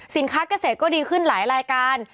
สินค้าเกษตรก็ดีขึ้นหลายรายการ